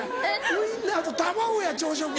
ウインナーと卵や朝食。